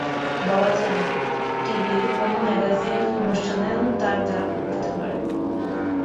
বলা যায় না, টিভির কোনো ম্যাগাজিন অনুষ্ঠানেও তাঁর ডাক পড়তে পারে।